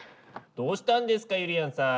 どうしたんですかゆりやんさん？